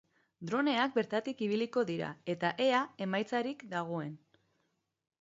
Droneak bertatik ibiliko dira, eta ea emaitzarik dagoen.